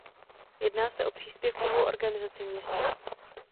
Jedná se o příspěvkovou organizaci města.